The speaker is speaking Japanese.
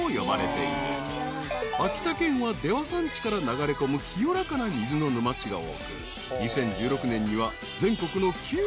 ［秋田県は出羽山地から流れ込む清らかな水の沼地が多く］